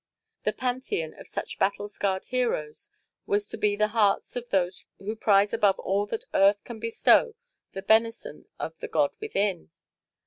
The Pantheon of such battle scarred heroes was to be the hearts of those who prize above all that earth can bestow the benison of the God within.